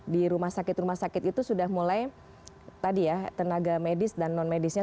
di rumah sakit rumah sakit itu sudah mulai tadi ya tenaga medis dan non medisnya